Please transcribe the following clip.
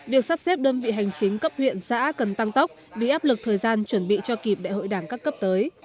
việc sắp xếp đơn vị hành chính cấp huyện xã cần tăng tốc vì áp lực thời gian chuẩn bị cho kịp đại hội đảng các cấp tới